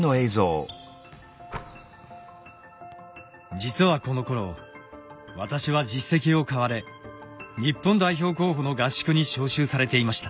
実はこのころ私は実績を買われ日本代表候補の合宿に招集されていました。